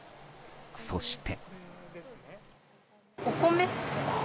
そして。